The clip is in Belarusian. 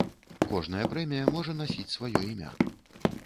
Кожная прэмія можа насіць сваё імя.